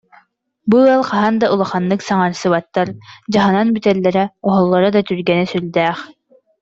Бу ыал хаһан да улаханнык саҥарсыбаттар, дьаһанан бүтэллэрэ-оһоллоро да түргэнэ сүрдээх